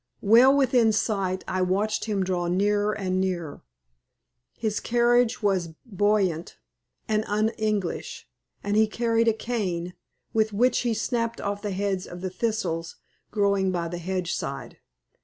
Well within sight, I watched him draw nearer and nearer. His carriage was buoyant and un English, and he carried a cane, with which he snapped off the heads of the thistles growing by the hedge side.